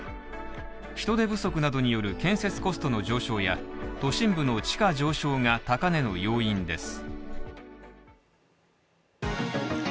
人手不足などによる建設コストの上昇や都心部の地価上昇が高値の要因です。